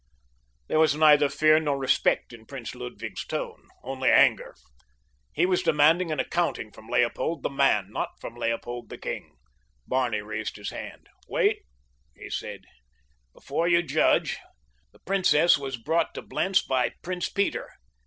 There was neither fear nor respect in Prince Ludwig's tone—only anger. He was demanding an accounting from Leopold, the man; not from Leopold, the king. Barney raised his hand. "Wait," he said, "before you judge. The princess was brought to Blentz by Prince Peter.